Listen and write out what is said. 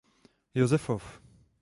Josefov.